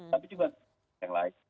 tapi juga yang lain